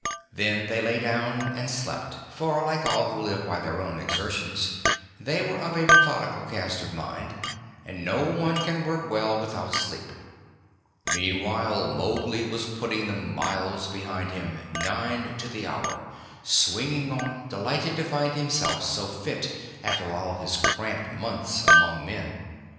Then they lay down and slept, for, like all who live by their own exertions, they were of a methodical cast of mind; and no one can work well without sleep. Meantime, Mowgli was putting the miles behind him, nine to the hour, swinging on, delighted to find himself so fit after all his cramped months among men.